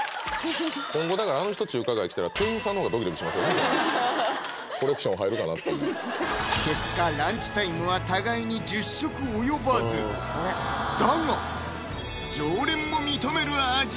今後だからあの人中華街来たらコレクション入るかなっていう結果ランチタイムは互いに１０食及ばずだが常連も認める味